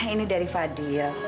ini dari fadil